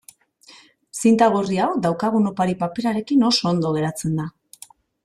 Zinta gorri hau daukagun opari-paperarekin oso ondo geratzen da.